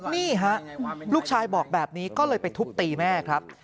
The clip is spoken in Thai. นี่ฮะลูกชายบอกแบบนี้ก็เลยไปทุบตีแม่ครับ